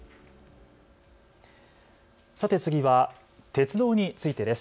さて次は鉄道についてです。